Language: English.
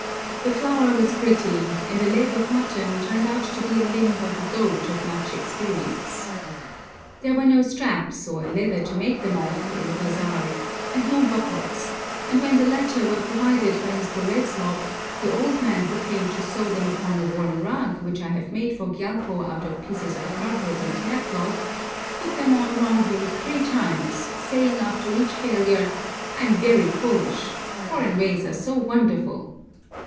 The flour was gritty, and a leg of mutton turned out to be a limb of a goat of much experience. There were no straps, or leather to make them of, in the bazaar, and no buckles; and when the latter were provided by Mr. Redslob, the old man who came to sew them upon a warm rug which I had made for Gyalpo out of pieces of carpet and hair cloth put them on wrongly three times, saying after each failure, 'I'm very foolish. Foreign ways are so wonderful!'